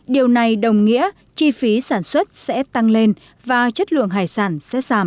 điều này đồng nghĩa chi phí sản xuất sẽ tăng lên và chất lượng hải sản sẽ giảm